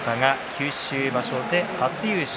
九州場所は初優勝。